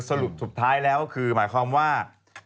สรุปสุดท้ายแล้วคือหมายความว่า